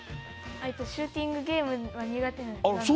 シューティングゲームは苦手なんです。